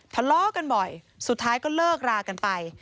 ทะเลาะกันบ่อยสุดท้ายก็เลิกรากันไป